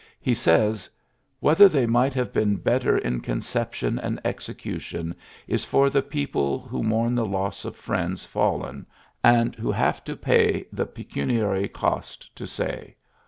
He says : "Whether they might have been better in conception and execution is for the people who mourn the loss of friends fallen, and who have to pay the pecun iary cost, to say.